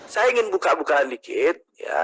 saya ingin buka bukaan dikit